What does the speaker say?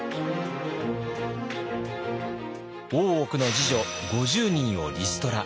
大奥の侍女５０人をリストラ。